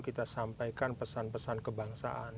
kita sampaikan pesan pesan kebangsaan